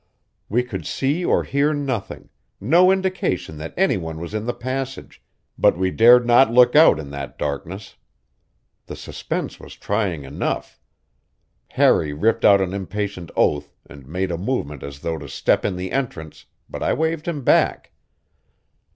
We could see or hear nothing, no indication that any one was in the passage, but we dared not look out in that darkness. The suspense was trying enough; Harry ripped out an impatient oath and made a movement as though to step in the entrance, but I waved him back.